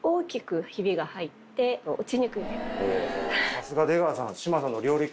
さすが出川さん。